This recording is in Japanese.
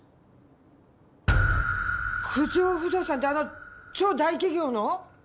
「九条不動産」ってあの超大企業の！？